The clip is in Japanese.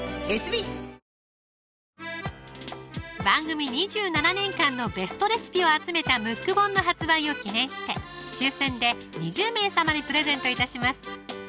番組２７年間のベストレシピを集めたムック本の発売を記念して抽選で２０名様にプレゼント致します